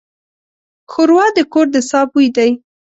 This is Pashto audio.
ښوروا د کور د ساه بوی دی.